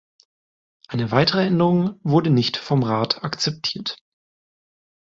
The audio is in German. Eine weitere Änderung wurde nicht vom Rat akzeptiert.